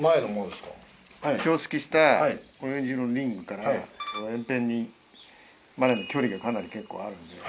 標識したオレンジ色のリングから距離がかなり結構あるんで。